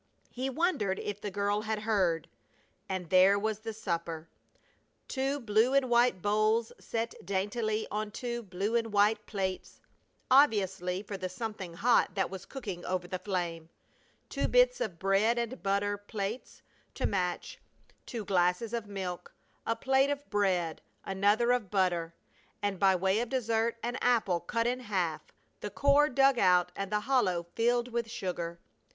He wondered if the girl had heard. And there was the supper! Two blue and white bowls set daintily on two blue and white plates, obviously for the something hot that was cooking over the flame, two bits of bread and butter plates to match; two glasses of milk; a plate of bread, another of butter; and by way of dessert an apple cut in half, the core dug out and the hollow filled with sugar.